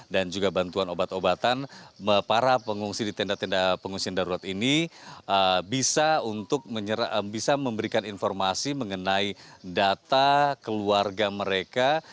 dan juga bantuan obat obatan para pengungsi di tenda tenda pengungsian darurat ini bisa memberikan informasi mengenai data keluarga mereka